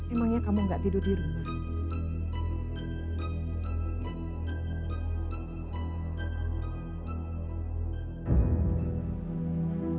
emangnya kamu gak tidur di rumah